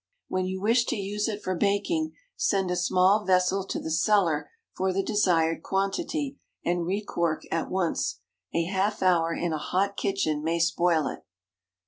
When you wish to use it for baking, send a small vessel to the cellar for the desired quantity, and re cork at once. A half hour in a hot kitchen may spoil it.